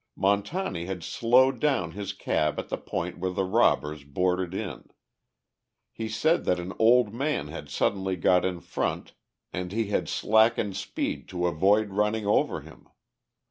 Montani had slowed down his cab at the point where the robbers boarded it. He said that an old man had suddenly got in front, and he had slackened speed to avoid running over him.